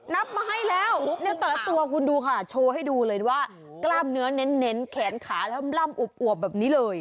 นับมาให้แล้วแต่ละตัวคุณดูค่ะโชว์ให้ดูเลยว่ากล้ามเนื้อเน้นแขนขาล่ำอวบแบบนี้เลย